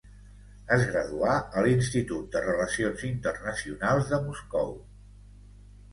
Es graduà a l'Institut de Relacions Internacionals de Moscou.